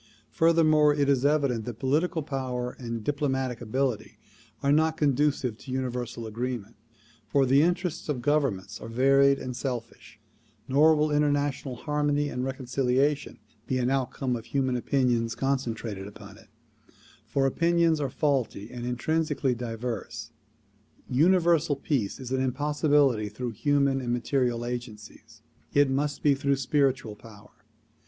Furthermore, it is evident that political power and diplomatic ability are not conducive to universal agreement, for the interests of gov ernments are varied and selfish ; nor will international harmony and reconciliation be an outcome of human opinions concentrated upon it, for opinions are faulty and intrinsically diverse. Universal Peace is an impossibility through human and material agencies; it must be through spiritual power.